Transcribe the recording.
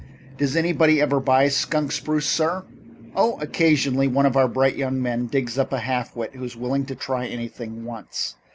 "Does anybody ever buy skunk spruce, sir?" "Oh, occasionally one of our bright young men digs up a half wit who's willing to try anything once.